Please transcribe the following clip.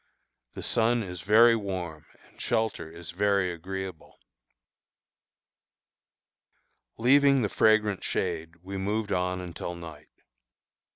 The sun is very warm and shelter is very agreeable. Leaving the fragrant shade, we moved on until night.